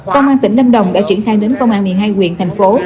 công an tỉnh lâm đồng đã triển khai đến công an một mươi hai quyện thành phố